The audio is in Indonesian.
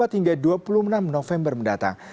dua puluh empat hingga dua puluh enam november mendatang